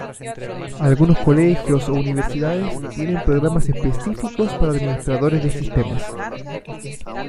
Algunos colegios o universidades tienen programas específicos para administradores de sistemas.